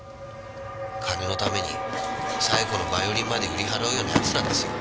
金のために冴子のヴァイオリンまで売り払うような奴なんですよ。